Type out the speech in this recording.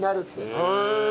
へえ。